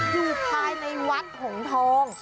อยู่ภายในวัดหงทอง